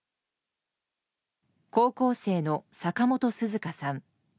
高校生の坂本紗花さん。